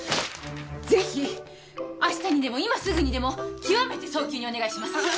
ぜひ明日にでも今すぐにでも極めて早急にお願いします